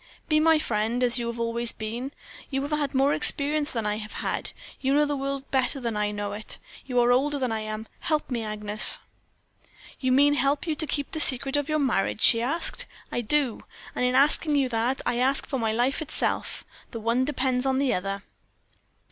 "'Be my friend, as you have always been. You have had more experience than I have had: you know the world better than I know it. You are older than I am; help me, Agnes.' "'You mean, help you to keep the secret of your marriage?' she asked. "'I do; and in asking you that, I ask for my life itself the one depends upon the other.'